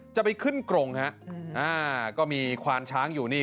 จะไปขึ้นกรงฮะอ่าก็มีควานช้างอยู่นี่